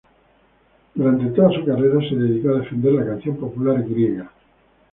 Durante toda su carrera se dedicó a defender la canción popular griega.